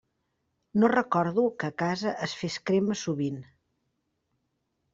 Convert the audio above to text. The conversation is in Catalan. No recordo que a casa es fes crema sovint.